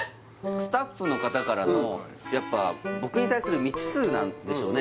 スタッフの方からのやっぱ僕に対する未知数なんでしょうね